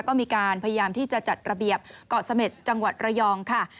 ก็มีการพยายามที่จะจัดระเบียบเกาะเสม็ดจังหวัดระยองค่ะ